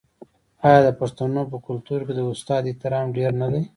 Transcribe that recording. آیا د پښتنو په کلتور کې د استاد احترام ډیر نه دی؟